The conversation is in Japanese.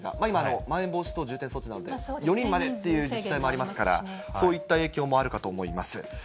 今、まん延防止等重点措置なので４人までという自治体もありますから、そういった影響もあるかと思います。